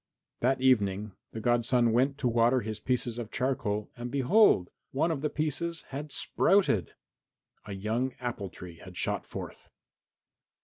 That evening the godson went to water his pieces of charcoal and behold! one of the pieces had sprouted! A young apple tree had shot forth.